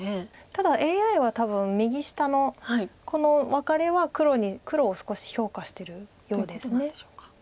ただＡＩは多分右下のこのワカレは黒を少し評価してるようです。